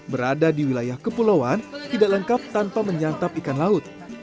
berada di wilayah kepulauan tidak lengkap tanpa menyantap ikan laut